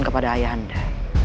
kepada ayah anda